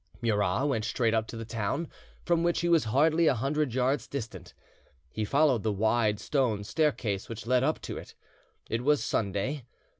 Murat went straight up to the town, from which he was hardly a hundred yards distant. He followed the wide stone staircase which led up to it. It was Sunday.